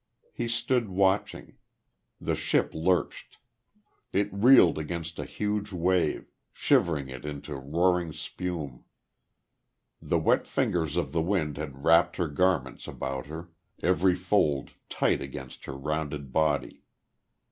He stood watching.... The ship lurched. It reeled against a huge wave, shivering it into roaring spume. The wet fingers of the wind had wrapped her garments about her, every fold tight against her rounded body.